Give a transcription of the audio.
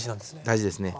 大事ですね。